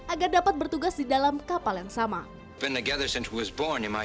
agar dapat bertugas di dalam kapal yang sama